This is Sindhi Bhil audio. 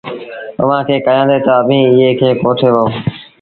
اُئآݩٚ کي ڪهيآندي تا، ”اڀيٚنٚ ايٚئي کي ڪوٺي وهو